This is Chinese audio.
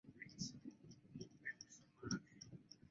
头圆吻钝。